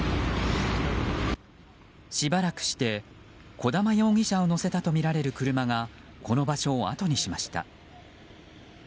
しばらくして、児玉容疑者を乗せたとみられる車がこの場所をあとにしました。